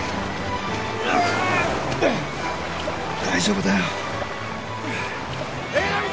大丈夫だよ。